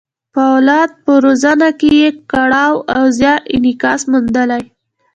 په اولاد په روزنه کې یې کړاو او زیار انعکاس موندلی.